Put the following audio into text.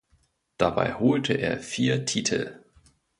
Dabei holte er vier Titel.